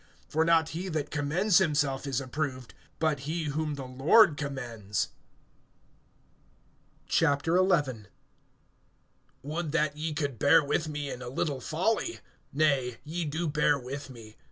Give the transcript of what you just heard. (18)For not he that commends himself is approved, but he whom the Lord commends. XI. WOULD that ye could bear with me in a little folly! Nay, ye do bear with me.